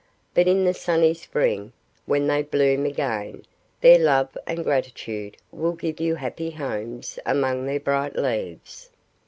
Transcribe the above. But in the sunny Spring when they bloom again, their love and gratitude will give you happy homes among their bright leaves.